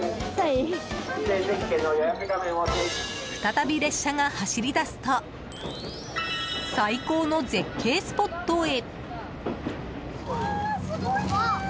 再び列車が走り出すと最高の絶景スポットへ。